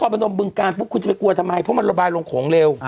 พนมบึงการปุ๊บคุณจะไปกลัวทำไมเพราะมันระบายลงโขงเร็ว